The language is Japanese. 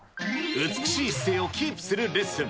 美しい姿勢をキープするレッスン。